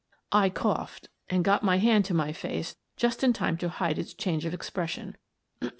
I coughed and got my hand to my face just in time to hide its change of expression.